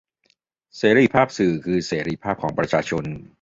เสรีภาพสื่อคือเสรีภาพของประชาชน